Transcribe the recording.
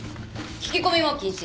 聞き込みも禁止。